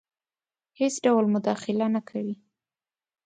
هیڅ ډول مداخله نه کوي.